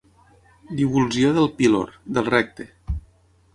Divulsió del pílor, del recte.